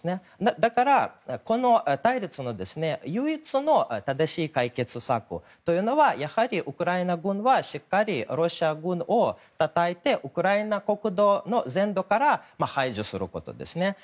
だから、この対立の唯一の正しい解決策というのはやはり、ウクライナ軍がしっかりロシア軍をたたいてウクライナ国土の全土から排除することですね。